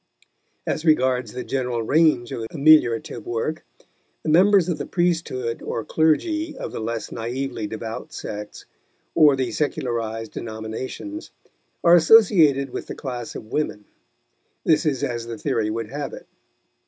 As regards the general range of ameliorative work, the members of the priesthood or clergy of the less naively devout sects, or the secularized denominations, are associated with the class of women. This is as the theory would have it.